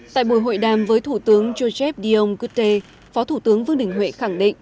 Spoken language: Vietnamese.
tại buổi hội đàm với thủ tướng joseph dion gute phó thủ tướng vương đình huệ khẳng định